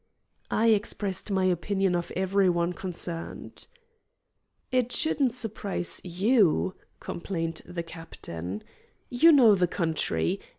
I expressed my opinion of every one concerned. "It shouldn't surprise YOU," complained the captain. "You know the country.